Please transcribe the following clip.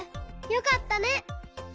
よかったね。